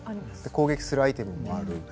攻撃するアイテムもある。